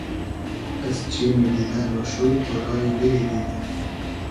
از چیمی دیدۂ رۉشۉ ، تۉرای دیلی دیدۂ